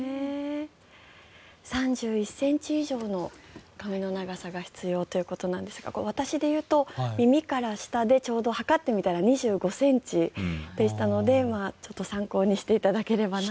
３１ｃｍ以上の髪の長さが必要ということですが私で言うと耳から下でちょうど測ってみたら２５ｃｍでしたので、ちょっと参考にしていただければなと。